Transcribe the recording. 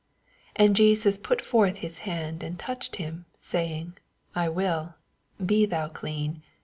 3 And JesoB pat forth his hand, and touched him, saving, I will; be thou clean.